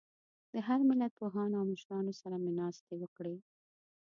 د هر ملت پوهانو او مشرانو سره مې ناستې وکړې.